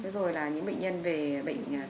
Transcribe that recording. rồi là những bệnh nhân về bệnh nhân